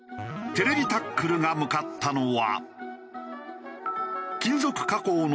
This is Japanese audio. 『ＴＶタックル』が向かったのは。